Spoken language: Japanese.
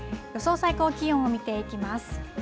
最高気温を見ていきます。